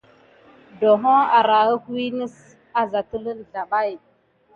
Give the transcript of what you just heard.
Ɗohô áháre wuka à sa telu zlabaki nakure gedar kuba.